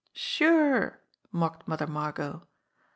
"Sure!" mocked Mother Margot.